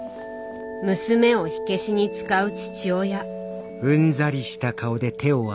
娘を火消しに使う父親。